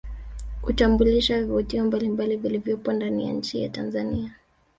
Hutambulisha vivutio mbalimbali vilivyopo ndani ya nchi ya Tanzania